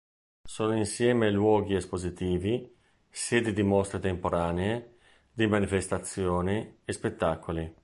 Sono insieme luoghi espositivi, sedi di mostre temporanee, di manifestazioni e spettacoli.